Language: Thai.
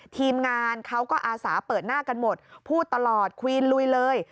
ทีมงานเขาก็อาสาเปิดหน้ากันหมดพูดตลอดควีนลุยเลย